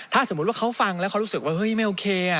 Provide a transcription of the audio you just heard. ถ้าแต่เขาฟังแล้วเขารู้สึกว่าเฮ้ยไม่โอเคอ่ะ